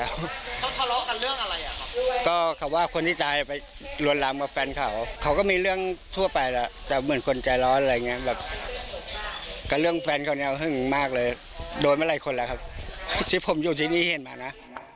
เขาทะเลาะกันเรื่องอะไรอ่ะครับก็คำว่าคนที่ใจไปลวนลามกับแฟนเขาเขาก็มีเรื่องทั่วไปแล้วจะเหมือนคนใจร้อนอะไรอย่างเงี้ยแบบกับเรื่องแฟนเขาเนี่ยหึงมากเลยโดนมาหลายคนแล้วครับที่ผมอยู่ที่นี่เห็นมานะ